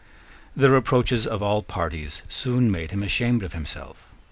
The reproaches of all parties soon made him ashamed of himself.